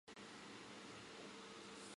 国会原在费城的国会厅集会了。